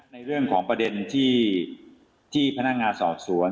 ในเรื่องของประเด็นที่พนักงานสอบสวน